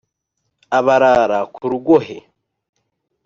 abarara ku rugohe